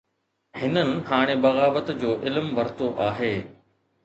هنن هاڻي بغاوت جو علم ورتو آهي.